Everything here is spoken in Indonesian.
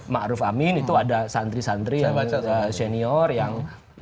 mak ruf amin itu ada santri santri yang senior yang ikut terus